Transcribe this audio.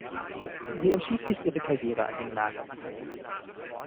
Sie entschied sich, ihre Karriere an den Nagel zu hängen.